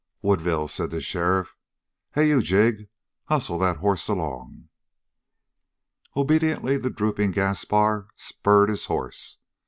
"Woodville," said the sheriff. "Hey, you, Jig, hustle that hoss along!" Obediently the drooping Gaspar spurred his horse.